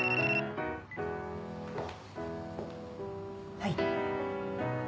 はい。